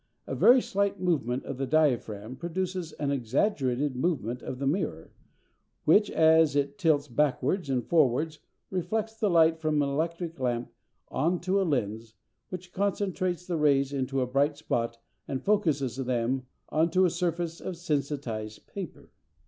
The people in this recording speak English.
A very slight movement of the diaphragm produces an exaggerated movement of the mirror, which, as it tilts backwards and forwards, reflects the light from an electric lamp on to a lens, which concentrates the rays into a bright spot, and focuses them on to a surface of sensitised paper.